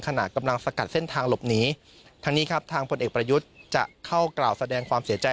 ขนาดกำลังสกัดเส้นทางหลบหนีทางพลเอกประยุทธ์จะเข้ากล่าวแสดงความเสียใจ